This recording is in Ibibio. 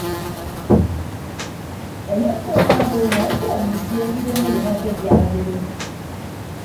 Enye ñko amaabo nọ ekpәho mme itie ke idem enyin akebiarake do.